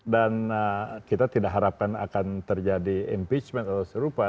dan kita tidak harapkan akan terjadi impeachment atau serupa